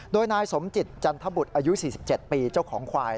โดยนายสมจิตจันทบุตรอายุ๔๗ปีเจ้าของควาย